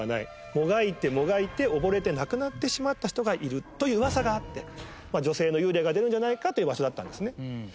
もがいてもがいて溺れて亡くなってしまった人がいるといううわさがあって女性の幽霊が出るんじゃないかという場所だったんですね。